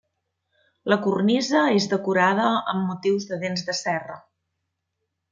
La cornisa és decorada amb motius de dents de serra.